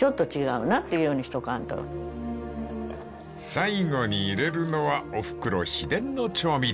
［最後に入れるのはおふくろ秘伝の調味料］